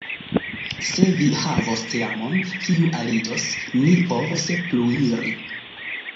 Se vi havos teamon kiu aliĝos, ni povos pluiri.